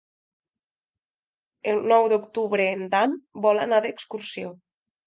El nou d'octubre en Dan vol anar d'excursió.